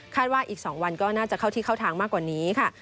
ว่าอีก๒วันก็น่าจะเข้าที่เข้าทางมากกว่านี้ค่ะ